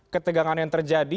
ketegangan yang terjadi